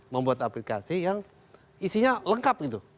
membuat aplikasi yang isinya lengkap gitu